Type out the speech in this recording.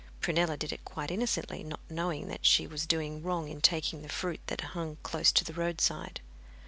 Prunella did it quite innocently, not knowing that she was doing wrong in taking the fruit that hung close to the roadside.